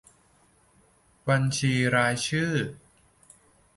บัญชีรายชื่อ